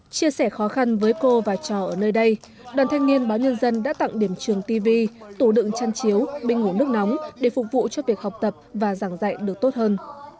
chia sẻ khó khăn với cô và trò ở nơi đây đoàn thanh niên báo nhân dân đã tặng điểm trường tv tủ đựng chăn chiếu bình ngủ nước nóng để phục vụ cho việc học tập và giảng dạy được tốt hơn